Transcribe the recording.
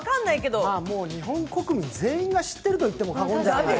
日本国民、全員が知っていると言っても過言じゃない。